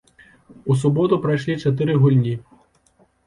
У суботу прайшлі чатыры гульні.